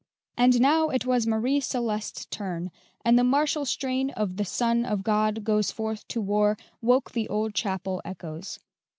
And now it was Marie Celeste's turn, and the martial strain of "The Son of God goes forth to war" woke the old chapel echoes.